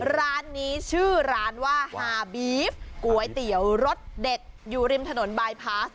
ร้านนี้ชื่อร้านว่าฮาบีฟก๋วยเตี๋ยวรสเด็ดอยู่ริมถนนบายพาส